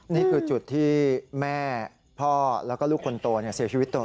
นี่คือจุดที่แม่พ่อแล้วก็ลูกคนโตเสียชีวิตต่อ